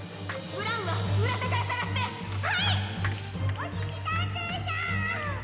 おしりたんていさん！